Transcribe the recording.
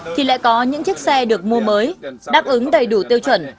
thì lại có những chiếc xe được mua mới đáp ứng đầy đủ tiêu chuẩn